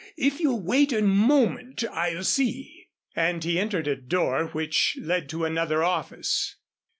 If you'll wait a moment I'll see," and he entered a door which led to another office.